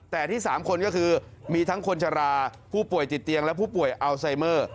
แต่ที่๓คนก็คือมีทั้งคนชะลาผู้ป่วยติดเตียงและผู้ป่วยอัลไซเมอร์